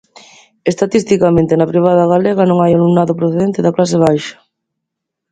Estatisticamente, na privada galega non hai alumnado procedente da clase baixa.